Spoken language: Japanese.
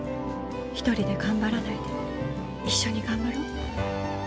１人で頑張らないで一緒に頑張ろう。